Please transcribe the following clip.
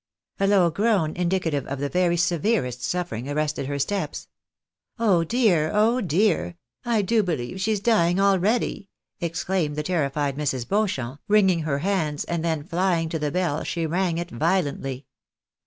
A low groan indicative of the very severest suffering, arrested her steps. " Oh dear ! oh dear ! I do believe she's dying already," exclaimed the terrified Mrs. Beauchamp, wringing her hands, and then flying to the bell, she rang it violently.